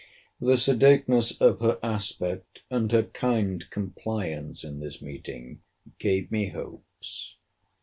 The sedateness of her aspect and her kind compliance in this meeting gave me hopes.